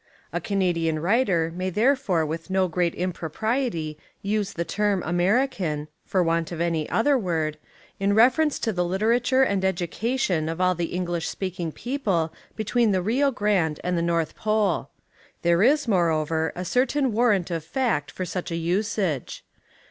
A Canadian writer may there fore with no great impropriety use the term American, for want of any other word, in reference to the literature and education of all the English speaking people between the Rio Grande and the North Pole. There is, moreover, a certain warrant of fact for such a usage.